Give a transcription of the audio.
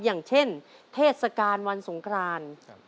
อย่างเช่นเทศกาลวันสงคราน